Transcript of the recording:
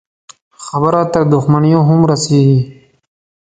خبره تر دښمنيو هم رسېږي.